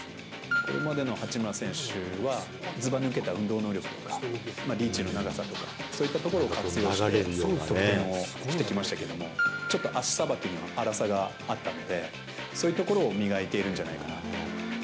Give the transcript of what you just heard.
これまでの八村選手は、ずば抜けた運動能力とか、リーチの長さとか、そういったところを活用して得点してきましたけど、ちょっと足さばきに粗さがあったので、そういうところを磨いているんじゃないかなと。